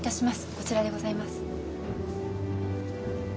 こちらでございます。